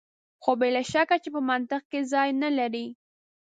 خو بې له شکه چې په منطق کې ځای نه لري.